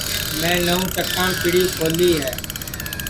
میں نوں چکام پیڑی کھولی ہے